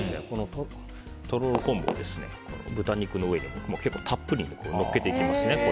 とろろ昆布を豚肉の上にたっぷりのっけていきますね。